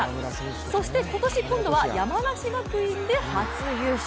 そして今年、今度は山梨学院で初優勝。